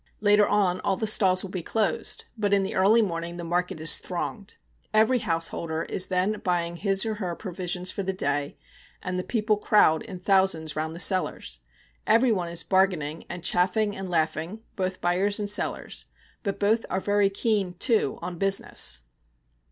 Later on all the stalls will be closed, but in the early morning the market is thronged. Every householder is then buying his or her provisions for the day, and the people crowd in thousands round the sellers. Everyone is bargaining and chaffing and laughing, both buyers and sellers; but both are very keen, too, on business.